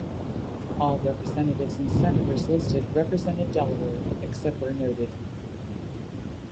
All representatives and senators listed represented Delaware except where noted.